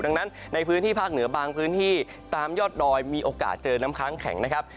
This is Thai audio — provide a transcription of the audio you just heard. ดังนั้นในพื้นที่ภาคเหนือบางพื้นที่ตามยอดดอยมีโอกาสเจอน้ำค้างแข็งนะครับ